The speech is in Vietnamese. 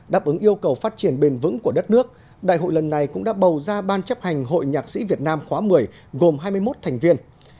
đáp ứng yêu cầu phát triển bền vững của đất nước đại hội lần này cũng đã bầu ra ban chấp hành hội nhạc sĩ việt nam khóa một mươi gồm hai mươi một thành viên